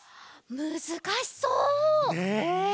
むずかしそう！ねえ！